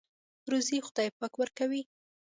روزۍ خدای پاک ورکوي.